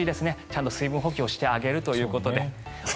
ちゃんと水分補給をしてあげるということで。